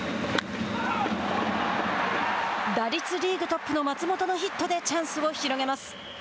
打率リーグトップの松本のヒットでチャンスを広げます。